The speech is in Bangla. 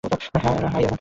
High, Anna.